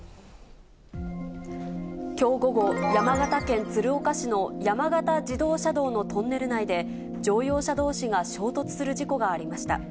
きょう午後、山形県鶴岡市の山形自動車道のトンネル内で、乗用車どうしが衝突する事故がありました。